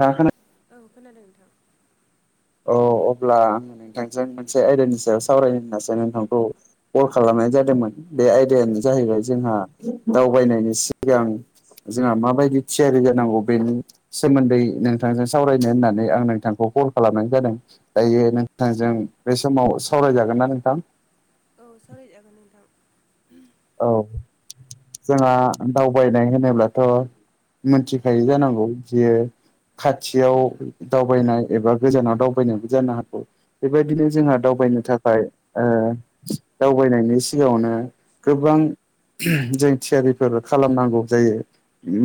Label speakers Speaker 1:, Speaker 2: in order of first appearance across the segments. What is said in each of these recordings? Speaker 1: थाङा खोना
Speaker 2: औ खोनादों नोंथां।
Speaker 1: औ अब्ला नोंथांजों मोनसे आयदानि सायाव सावरायनो होनासै नोंथांखौ। कल खालामनाय जादोंमोन बे आयदायानो जाहैबाय जोंहा दावबायनायनि सिगां जोंहा माबायदि थियारि जानांगौ बेनि सोमोन्दै नोंथांजों सावरायनो होननानै आं नोंथांखौ कल खालामनाय जादों दायो नोंथांजों
Speaker 2: औ
Speaker 1: बे समाव सावरायजागोन ना नोंथां?
Speaker 2: औ सावराय जागोन नोंथां।
Speaker 1: औ जोंहा दावबायनाय होनोब्लाथ'। मोनथिखायो जानांगौ जे खाथियाव दावबायनाय एबा गोजानाव दावबायनायबो जानो हागौ। बेबायदिनो
Speaker 2: औ
Speaker 1: जोंहा दावबायनो थाखाय ओ दावबायनायनि सिगाङावनो गोबां जों थियारिफोर खालामनांगौ जायो।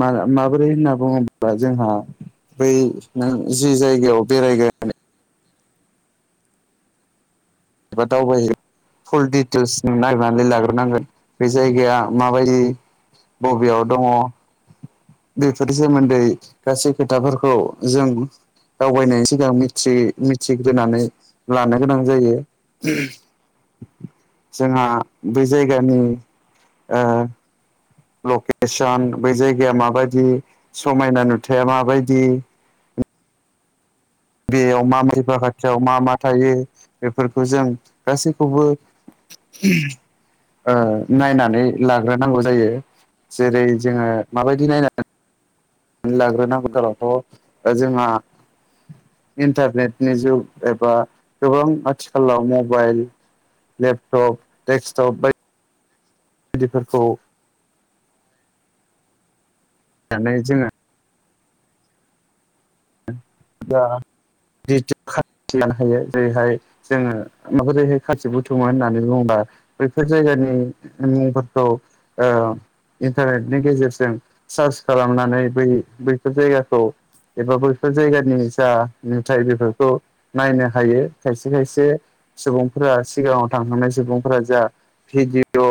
Speaker 1: मा माबोरै होनना बुङोब्ला जोंहा बै ओ नों जि जायगायाव बेरायगोन बा दावबायगोन फुल डिटेल्स नों नायनानै लाग्रोनांगोन बे जायगाया माबादि बबेयाव दङ। बेफोरनि सोमोन्दै गासै खोथाफोरखौ जों दावबायनायनि सिगां मिथि-मिथिग्रोनानै लानो गोनां जायो। जोंहा बै जायगानि लकेसन बै जायगाया माबायदि समायना नुथाया माबायदि बेयाव मा बा खाथियाव मा मा थायो बेफोरखौ जों गासैखौबो [unintelligible] नायनानै लाग्रोनांगौ जायो जेरै जोङो माबायदि नायनानै लाग्रोनांगौ दा आंख' दा जोंहा इन्टारनेटनि जुग एबा गोबां आथिखालाव मबाइल लेपटप डेक्सकटप बादि दिफोरखौ जानाय जोङो [unintelligible] जोङो माबोरैहाय खाथि बुथुमङो होननानै बुङोबा बैफोर जायगानि मुंफोरखौ ओ इन्टारनेटनि गेजेरजों सार्च खालामनानै बै बैफोर जायगाखौ एबा बैफोर जायगानि जा नुथाय बेफोरखौ नायनो हायो खायसे खायसे सुबुंफोरा सिगाङाव थांखांनाय सुबुंफोरा जा भिडिअ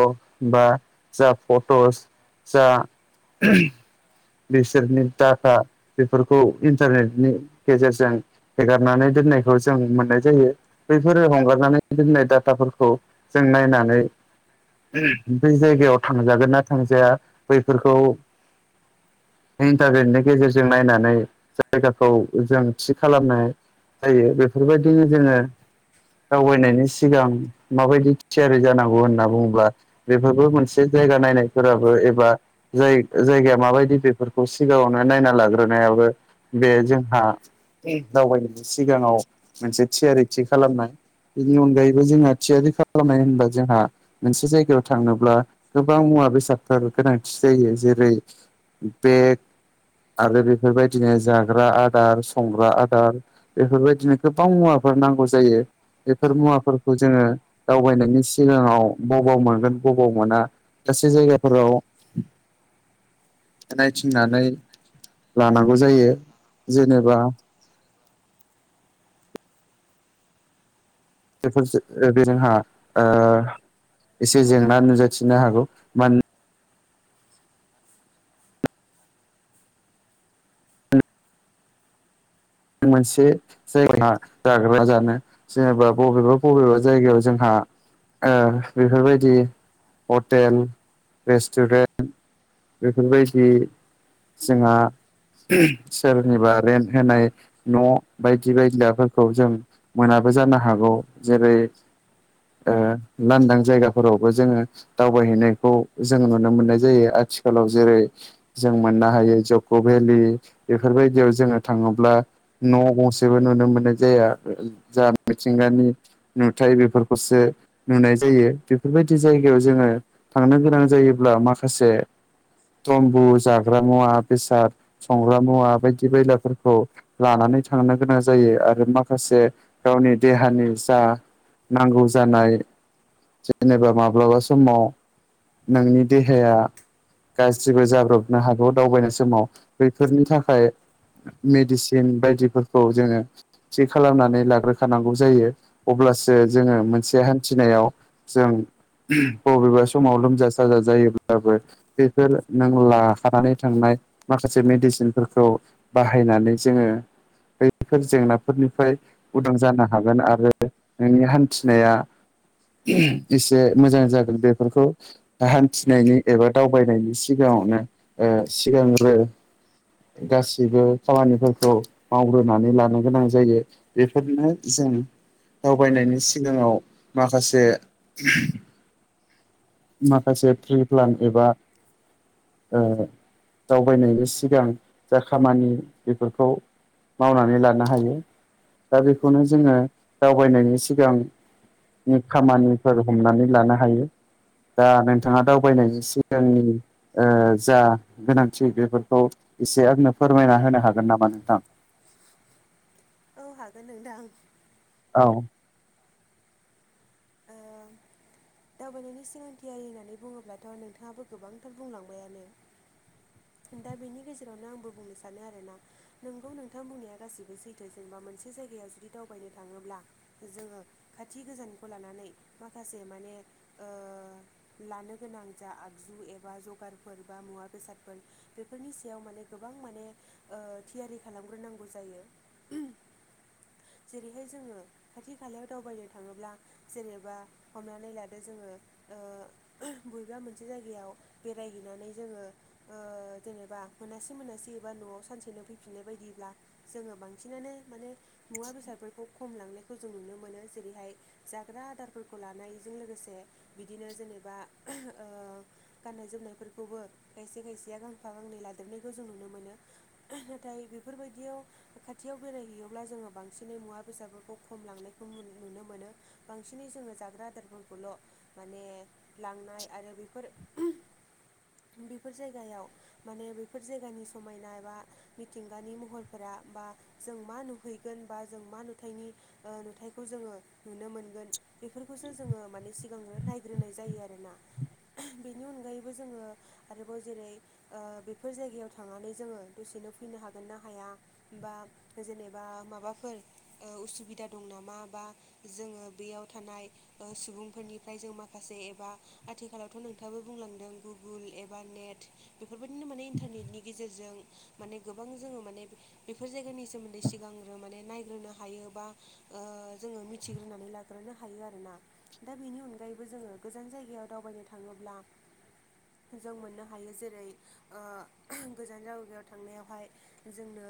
Speaker 1: बा जा फट'स जा बिसोरनि डाटा बेफोरखौ इन्टारनेटनि गेजेरजों हेगारनानै दोननायखौ जों मोननाय जायो बैफोर हंगारनानै दोननाय डाटाफोरखौ जों नायनानै बै जायगायाव थांजागोन ना थांजाया बैफोरखौ इन्टारनेटनि गेजेरजों नायनानै जायगाखौ जों थि खालामनाय जायो बेफोरबादि जोङो दावबायनायनि सिगां माबायदि थियारि जानांगौ होनना बुङोब्ला। बेफोरबो मोनसे जायगा नायनायफोराबो एबा जाय जायगाया माबायदि बेफोरखौ सिगाङावनो नायना लाग्रोनायाबो बे जोंहा दावबायनायनि सिगाङाव मोनसे थियारि थि खालामनाय बेनि अनगायैबो जोंहा थियारि खालामनाय होनबा जोंहा मोनसे जायगायाव थांनोब्ला गोबां मुवा बेसादफोर गोनांथि जायो जेरै बेग आरो बेफोरबाय दिनो जाग्रा आदार संग्रा आदार बेफोरबायदिनो गोबां मुवाफोर नांगौ जायो। बेफोर मुवाफोरखौ जोङो दावबायनायनि सिगाङाव बबाव मोनगोन बबाव मोना गासै जायगाफोराव नायथिंनानै बा गौ जायो जेनेबा बेफोरजो बे जोंहा ओ एसे जेंना नुजाथिनो हागौ मानोन मोनसे जायगा जाग्रा जानो जायाबा बबेबा बबेबा जायगायाव जोंहा ओ बेफोरबायदि हटेल रेस्टुरेन्ट बेफोरबायदि जोंहा सोरनिबा रेन्ट होनाय न' बायदि बायदलाफोरखौ जों मोनाबो जानो हागौ जेरै ओ लांदां जायगाफोरावबो जोङो दावबायहैनायखौ जों नुनो मोननाय जायो आथिखालाव जेरै जों मोननो हायो जक' भेलि बेफोरबायदियाव जोङो थाङोब्ला न' गंसेबो नुनो मोननाय जाया जा मिथिंगानि नुथाय बेफोरखौसो नुनाय जायो बेफोरबायदि जायगायाव जोङो थांनो गोनां जायोब्ला माखासे तम्बु जाग्रा मुवा बेसाद संग्रा मुवा बायदि बेलाफोरखौ लानानै थांनो गोनां जायो आरो माखासे गावनि देहानि जा नांगौ जानाय जेनेबा माब्लाबा समाव नोंनि देहाया गाज्रिबो जाब्रबनो हागौ दावबायनाय समाव बेफोरनि थाखाय मेडिसिन दिम बायदिफोरखौ जोङो थि खालामनानै लाग्रोखानांगौ जायो अब्लासो जोङो मोनसे हान्थिनायाव जों बबेबा समाव लोमजा साजा जायोब्लाबो बेफोर नों लाखानानै थांनाय माखासे मेडिसिनफोरखौ बाहायनानै जोङो बैफोर जेंनाफोरनिफ्राय उदां जानो हागोन आरो नोंनि हान्थिनाया एसे मोजां जागोन बेफोरखौ हान्थिनायनि एबा दावबायनायनि सिगाङावनो सिगांग्रो गासिबो खामानि औ मावग्रोनानै लानो गोनां जायो बेफोरनो जों दावबायनायनि सिगाङाव माखासे माखासे प्रि प्लान एबा दावबायनायनि सिगां जा खामानि बेफोरखौ खौ मावनानै लानो हायो। दा बेखौनो जोङो दावबायनायनि सिगां नि खामानिफोर हमनानै लानो हायो। दा नोंथाङा दावबायनायनायनि सिगांनि ओ जा गोनांथि बेफोरखौ एसे आंनो फोरमायना होनो हागोन नामा नोंथां?
Speaker 2: औ हागोन नोंथां।
Speaker 1: औ
Speaker 2: [unintelligible] दावबायनायनि सोलोंथियारि होननानै बुङोब्लाथ' नोंथाङाबो गोबांथार बुंलांबायानो। दा बेनि गेजेरावनो आंबो बुंनो सानो आरोना। नोंगौ नोंथां बुंनाया गासिबो सैथो जेनेबा मोनसे जायगायाव जुदि दावबायनो थाङोब्ला जोङो खाथि गोजानखौ लानानै माखासे माने ओक्षलानो गोनां जा आगजु एबा जगारफोर बा मुवा बेसादफोर बेफोरनि सायाव माने गोबां माने ओ थियारि खालामग्रोनांगौ जायो। ओ जेरैहाय जोङो खाथि खालायाव दावबायनो थाङोब्ला जेनेबा हमनानै लादो जोङो बबेबा मोनसे जायगायाव बेरायहैनानै जोङो जेनेबा मोनासे मोनासे एबा न'आव सानसेनो फैफिननाय बायदिब्ला जोङो बांसिनानो माने मुवा बेसादफोरखौ खम लांनायखौ जों नुनो मोनो जेरैहाय जाग्रा आदार फोरखौ लानायजों लोगोसे बिदिनो जेनेबा गाननाय जोमनायफोरखौबो खायसे खायसेया गांफा गांनै लादेरनायखौ जों नुनो मोनो नाथाय बेफोरबायदियाव खाथियाव बेरायहैयोब्ला जोङो बांसिनै मुवा बेसादफोरखौ खम लांनायखौ नुनो मोनो बांसिन नि जोङो जाग्रा आदारफोरखौल' माने लांनाय आरो बेफोर बेफोर जायगायाव माने बेफोर जायगानि समायना एबा मिथिंगानि महरफोरा बा जों मा नुहैगोन बा जों मा नुथायनि नुथायखौ जोङो नुनो मोनगोन बेफोरखौसो जोङो माने सि गांनो जोङो नायग्रोनाय जायो आरोोना बेनि अनगायैबो जोङो आरोबाव जेरै ओ बेफोर जायगायाव थांनानै जोङो दसेनो फैनो हागोन ना हाया बा जेनेबा माबाफोर ओ उसुबिदा दं नामा बा जोङो बेयाव थानाय ओ सुबुंफोरनिफ्राय जों माखासे एबा आथिखालावथ' नोंथाङाबो बुंलांदों गुगोल एबा नेट बेफोरबायदिनो माने इन्टारनेटनि गेजेरजों माने गोबां जोङो माने बेफोर जायगानि सोमोन्दै सिगांग्रो माने नायग्रोनो हायो बा ओ जोङो मिथिग्रोनानै ला ग्रोनो हायो आरोना दा बेनि अनगायैबो जोङो गोजान जायगायाव दावबायनो थाङोब्ला जों मोननो हायो जेरै ओ गोजान जायगायाव थांनायावहाय जोंनो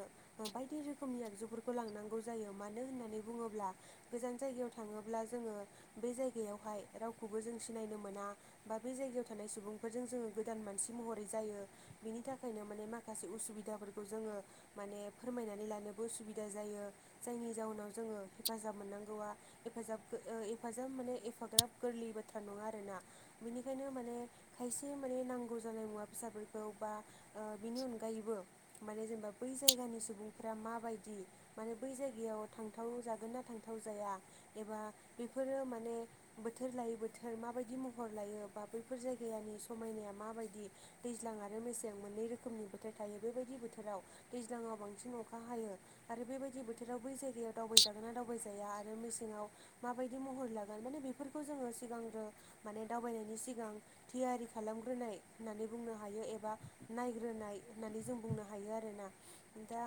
Speaker 2: बायदि रोखोमनि आगजुफोरखौ लांनांगौ जायो मानो होननानै बुङोब्ला गोजान जायगायाव थाङोब्ला जोङो बे जायगायावहाय रावखौबो जों सिनायनो मोना बा बै जायगायाव थानाय सुबुंफोरजों जोङो गोदान मानसि महरै जायो बिनि थाखायनो माने माखासे उसुबिदाफोरखौ जोङो माने फोरमायनानै लानोबो उसुबिदा जायो जायनि जााहोनाव जोङो हेफाजाब मोननांगौआ हेफाजाब ओ एफाजाब माने एफाग्राब गोरलै बाथ्रा नङा आरोना बेनिखायनो माने खायसे माने नांगौ जानाय मुवा बेसाद फोरखौ बा बिनि अनगायैबो माने जेनेबा बै जायगानि सुबुंफ्रा माबायदि माने बै जायगायाव थांथाव जागोन ना थांथाव जाया एबा बेफोरो माने बोथोर लायै बोथोर माबायदि महर लायो बा बैफोर जायगानि समायनाया माबायदि दैज्लां आरो मेसें मोननै रोखोमनि बोथोर थायो बेबायदि बोथोराव दैज्लाङाव बांसिन अखा हायो आरो बेबायदि बोथोराव बै जायगायाव दावबायजागोना दावबायजाया आरो मेसेङाव माबायदि महर लागोन माने बेफोरखौ जोङो सिगांग्रो माने दावबायनायनि सिगां थियारि खालामग्रोनाय होननानै बुंनो हायो एबा नायग्रोनाय होननानै जों बुंनो हायो आरोना दा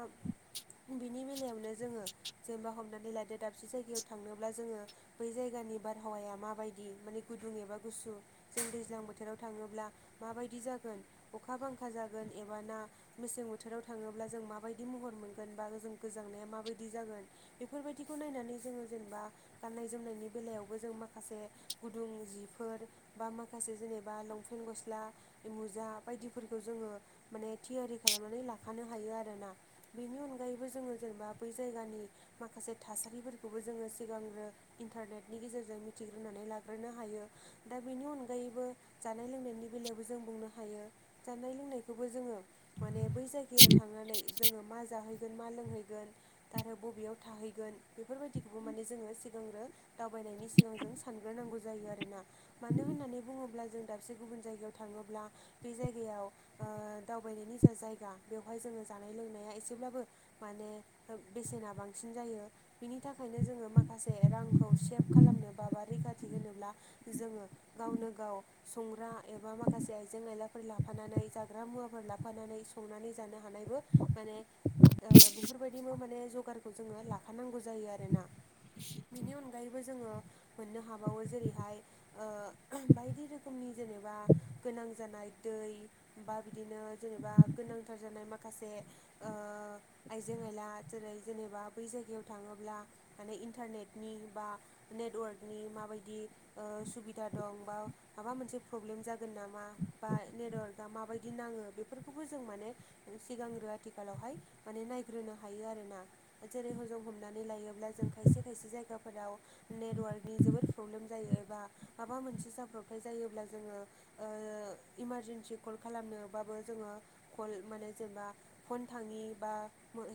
Speaker 2: बिनि बेलायावनो जोङो जेनेबा हमनानै लादो दाबसे जायगायाव थांनो जोङो बै जायगानि बारहावाया माबायदि माने गुदुं एबा गुसु जों दैज्लां बोथोराव थाङोब्ला माबायदि जागोन अखा बांखा जागोन एबा ना मेसें बोथोराव थाङोब्ला जों माबायदि महर मोनगोन बा जों गोजांनाया माबायदि जागोन बेफोरबायदिखौ नायनानै जोङो जेनेबा गाननाय-जोमनायनि बेलायावबो जों माखासे गुदुं जिफोर बा माखासे जेनेबा लंफेन गस्ला मुजा बायदिफोरखौ जोङो माने थियारि खालामनानै लाखानो हायो आरोना बिनि अनगायैबो जोङो जेनेबा बै जायगानि माखासे थासारिफोरखौबो जोङो सिगांग्रो इन्टारनेटनि गेजेरजों मिथिग्रोनानै लाग्रोनो हायो दा बेनि अनगायैबो जानाय-लोंनायनि बेलायावबो जों बुंनो हायो जानाय-लोंनायखौबो जोङो माने बै जायगायाव थांनानै जोङो मा जाहैगोन मा लोंहैगोन आरो बबेयाव थाहैगोन बेफोरबायदिखौबो माने जोङो सिगांग्रो दावबायनायनि सिगां जों सानग्रोनांगौ जायो आरोना मानो होननानै बुङोब्ला जों दाबसे गुबुन जायगायाव थाङोब्ला बै जायगायाव ओ दावबायनायनि जा जायगा बेवहाय जोङो जानाय लोंनाया एसेब्लाबो माने बेसेना बांसिन जायो बिनि थाखायनो जोङो मा खासे रांखौ सेभ खालामनो बा बा रैखाथि होनोब्ला जोङो गावनो गाव संग्रा एबा माखासे आइजें-आइलाफोर लाफानानै जाग्रा मुवाफोर ला लांफानानै संनानै जानो हानायबो माने ओ बेफोरबायदिबो माने जगारखौ जोङो लाखानांगौ जायो आरोना बिनि अनगायैबो जोङो मोननो हाबावो जेरैहाय ओ बायदि रोखोमनि जेनेबा गोनां जानाय दै बा बिदिनो जेनेबा गोनांथार जानाय माखासे ओ आइजें-आइला जेरै जेनेबा बै जायगायाव थाङोब्ला माने इ इनथारनेटनि बा नेटवारकनि माबायदि ओ सुबिदा दं बा माबा मोनसे प्रब्लेम जागोन नामा बा नेटवार्कआ माबायदि नाङो बेफोरखौबो जों माने सिगांग्रो आथिखालावहाय माने नायग्रोनो हायो आरोना जेरै होजों हमनानै लायोब्ला जों खायसे खायसे जायगाफोराव नेटवार्कनि जोबोद प्रब्लेम जायो एबा माबा मोनसे जाब्रबथाय जायोब्ला जोङो ओ इमारजेन्सि कल खालामनोबाबो जोङो कल माने जेनेबा फन थाङि बा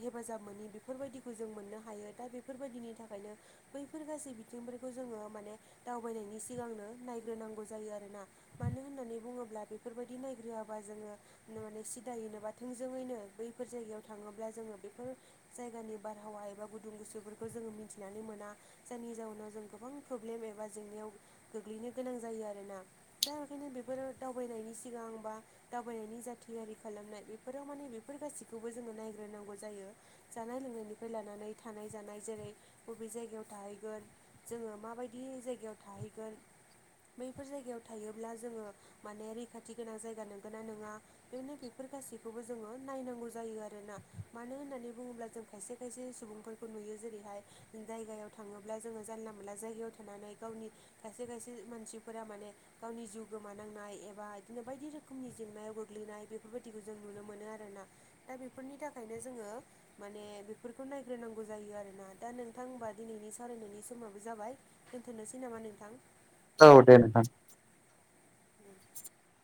Speaker 2: हेफाजाब मोनि बेफोरबायदिखौ जों मोननो हायो दा बेफोरबायदिनि नि थाखायनो बैफोर गासै बिथिंफोरखौ जोङो माने दावबायनायनि सिगांनो नायग्रोनांगौ जायो आरोना मानो होननानै बुङोब्ला बेफोरबायदि नायग्रोआबा जोङो माने सिदायैनो बा थोंजोङैनो बैफोर जायगायाव थाङोब्ला जोङो बेफोर जायगानि बारहावा एबा गुदुं गुसुफोरखौ जोङो मि मिथिनानै मोना जायनि जाउनाव जों गोबां प्रब्लेम एबा जेंनायाव गोग्लैनो गोनां जायो आरोना दा ओंखायनो बेफोरो दावबायनायनि सिगां बा दावबायनायनि जा थियारि खालामनाय बेफोराव माने बेफोर गासैखौबो जोङो नायग्रोनांगौ जायो जानाय लोंनायनिफ्राय लानानै थानाय जानाय जेरै बबे जायगायाव थाहैगोन जोङो माबायदि जायगायाव थाहैगोन बैफोर जायगायाव थायोब्ला जोङो माने रैखाथि गोनां जायगा नंगोना नङा बेबायनो बेफोर गासैखौबो जोङो नायनांगौ जायो आरोना मानो होननानै बुङोब्ला जों खायसे खायसे सुबुंफोरखौ नुयो जेरैहाय जायगायाव थाङोब्ला जोङो जानला मोनला जायगायाव थानानै गावनि खायसे खायसे मानसिफोरा माने गावनि जिउ गोमानांनाय एबा बिदिनो बायदि रोखोमनि जेंनायाव गोग्लैनाय बेफोरबायदिखौ जों नुनो मोनो आरोना दा बेफोरनि थाखायनो जोङो माने बेफोरखौ नायग्रोनांगौ जायो आरोना दा नों नोंथां होमबा दिनैनि सावरायनायनि समाबो जाबाय दोनथ'नोसै नामा नोंथां
Speaker 1: औ दे नोंथां
Speaker 2: [inaudible]